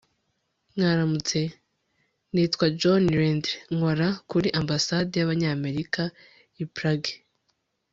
mwaramutse. nitwa john reindle. nkora kuri ambasade y'abanyamerika i prague. (alexmarcelo